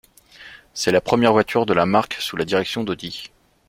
C'est la première voiture de la marque sous la direction d'Audi.